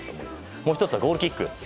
もう１つはゴールキック。